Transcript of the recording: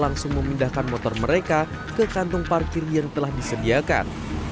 langsung memindahkan motor mereka ke kantong parkir yang telah disediakan